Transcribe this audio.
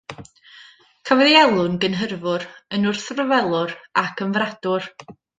Cafodd ei alw yn gynhyrfwr, yn wrthryfelwr, ac yn fradwr.